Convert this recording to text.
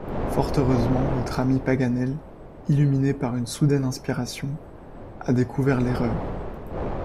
Fort heureusement, notre ami Paganel, illuminé par une soudaine inspiration, a découvert l’erreur.